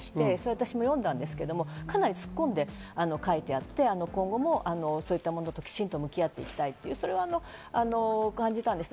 私も読んだんですけど、かなり突っ込んで書いてあって、今後も、そういったものときちんと向き合っていきたいと、それは感じました。